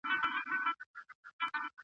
خپل ذهن په نوي فکرونو روږد کړه.